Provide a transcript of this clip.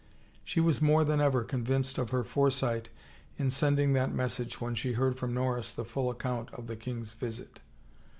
She was more than ever convinced of her foresight in sending that message when she heard from Norris the full account of the king's visit.